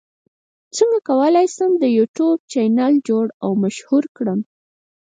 څنګه کولی شم د یوټیوب چینل جوړ او مشهور کړم